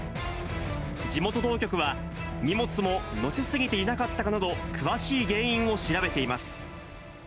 地元当局は、荷物も載せ過ぎていなかったなど、詳しい原因を調べています。